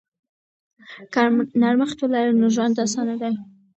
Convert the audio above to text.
که نرمښت ولرو نو ژوند اسانه دی.